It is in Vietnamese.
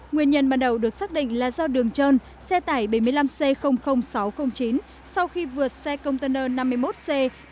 nguyên nhân bắt đầu được xác định là do đường trơn xe tải bảy mươi năm c sáu trăm linh chín sau khi vượt xe container năm mươi một c ba mươi hai nghìn một trăm năm mươi bốn